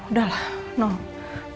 udah lah nona